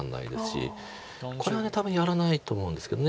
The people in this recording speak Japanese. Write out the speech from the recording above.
これは多分やらないと思うんですけど。